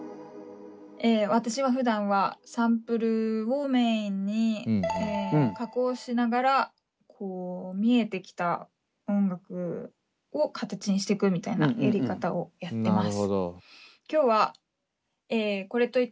私はふだんはサンプルをメインに加工しながら見えてきた音楽を形にしてくみたいなやり方をやってます。